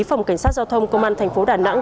phòng cảnh sát giao thông công an tp đà nẵng